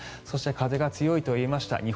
そして、風が強いと言いました。